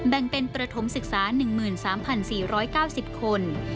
แบ่งเป็นประถมศึกษา๑๓๔๙๐คน